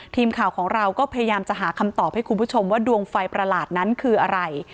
ทีมข่าวของเราก็พยายามจะหาคำตอบให้คุณผู้ชมว่าดวงไฟประหลาดนั้นคืออะไร